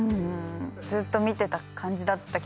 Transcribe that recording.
ずっと見てた感じだった気がします。